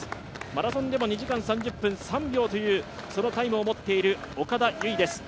マラソンでも２時間３０分３秒というタイムを持っている岡田唯です。